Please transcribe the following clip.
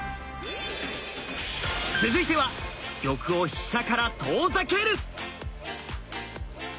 続いては「玉を飛車から遠ざける」。